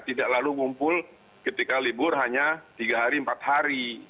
tidak lalu ngumpul ketika libur hanya tiga hari empat hari